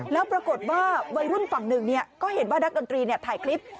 แล้วปรากฏว่าวัยรุ่นฝั่งหนึ่งก็เห็นว่านักดนตรีถ่ายคลิป